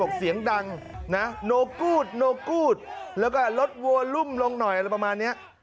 บอกเสียงดังนะโน่กู้ดโน่กู้ดแล้วก็ลดวอลุมลงหน่อยอะไรประมาณนี้